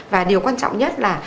và điều quan trọng nhất là